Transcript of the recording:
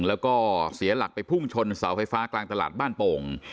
แล้วก็เสียหลักไปพุ่งชนเสาไฟฟ้ากลางตลาดบ้านโป่ง